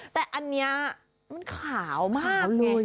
แต่อันนี้มันขาวมากเลย